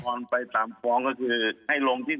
อุทธรณ์ไปตามฟองก็คือให้ลงที่๒๘๙